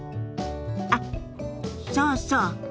あっそうそう。